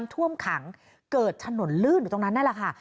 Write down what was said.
ท่วมขังเกิดถนนลื่นอยู่ตรงนั้นนั่นแหละค่ะ